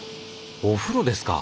お風呂ですか？